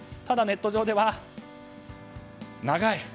ただ、ネット上では長い！